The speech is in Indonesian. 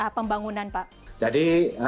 pembangunan pak jadi